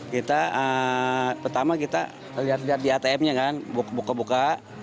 kita pertama kita lihat lihat di atm nya kan buka buka